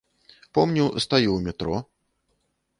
Помню, стаю ў метро.